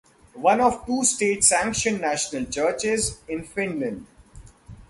One of two state sanctioned national churches in Finland.